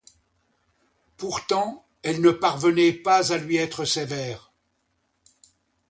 Pourtant, elle ne parvenait pas à lui être sévère.